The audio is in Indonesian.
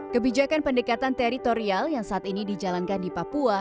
kebijakan pendekatan teritorial yang saat ini dijalankan di papua